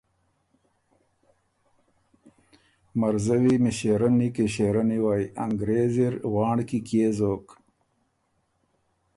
”مرزوی، مݭېرنې، کݭېرنې وئ! انګرېز اِر وانړ کی کيې زوک؟